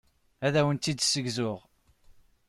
Ad awent-tt-id-ssegzuɣ.